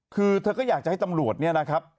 คือเธอก็อยากจะให้ตำรวจเนี่ยนะครับ